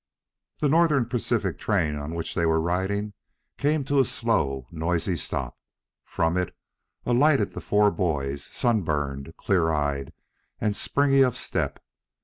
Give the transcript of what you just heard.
The Northern Pacific train on which they were riding, came to a slow, noisy stop. From it, alighted the four boys, sun burned, clear eyed and springy of step.